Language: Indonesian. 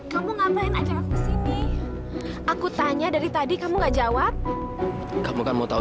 kamu ngapain aja aku kesini aku tanya dari tadi kamu nggak jawab kamu kamu tahu